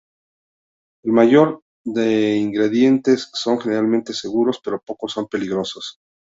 El mayor de ingredientes son generalmente seguros, pero pocos son peligrosos.